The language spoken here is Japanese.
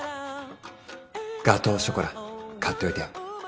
ガトーショコラ買っておいたよ